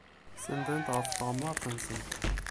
Senndent ɣef tɣemmar-nsent.